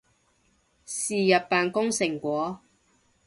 是日扮工成果